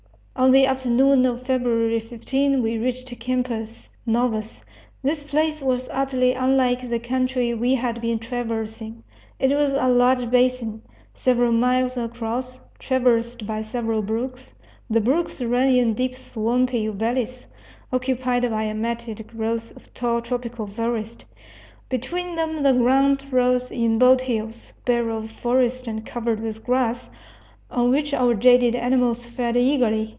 On the afternoon of February 15 we reached Campos Novos. This place was utterly unlike the country we had been traversing. It was a large basin, several miles across, traversed by several brooks. The brooks ran in deep swampy valleys, occupied by a matted growth of tall tropical forest. Between them the ground rose in bold hills, bare of forest and covered with grass, on which our jaded animals fed eagerly.